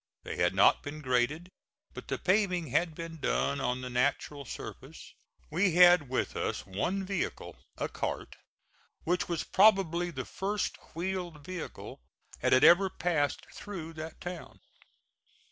They had not been graded, but the paving had been done on the natural surface. We had with us one vehicle, a cart, which was probably the first wheeled vehicle that had ever passed through that town.